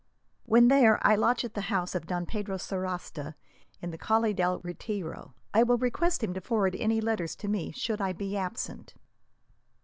"When there, I lodge at the house of Don Pedro Sarasta, in the Calle del Retiro. I will request him to forward any letters to me, should I be absent."